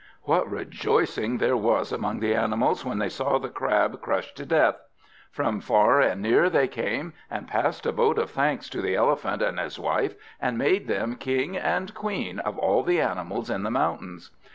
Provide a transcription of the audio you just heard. What rejoicing there was among the animals when they saw the Crab crushed to death! From far and near they came, and passed a vote of thanks to the Elephant and his wife, and made them King and Queen of all the animals in the mountains.